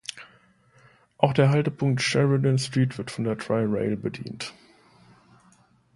Auch der Haltepunkt "Sheridan Street" wird von der Tri-Rail bedient.